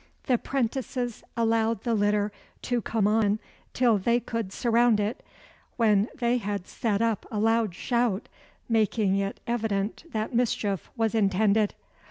The 'prentices allowed the litter to come on till they could surround it, when they set up a loud shout, making it evident that mischief was intended.